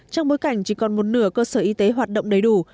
trong bối cảnh chỉ còn một nửa cơ sở y tế hoạt động đầy đủ